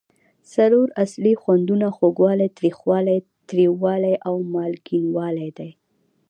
څلور اصلي خوندونه خوږوالی، تریخوالی، تریوالی او مالګینو والی دي.